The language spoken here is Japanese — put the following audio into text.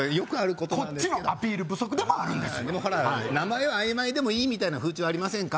こっちのアピール不足でもあるんですでもほら名前は曖昧でもいいみたいな風潮ありませんか？